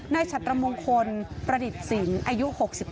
นายชัตรมงคลประดิษฐ์สินอายุ๖๘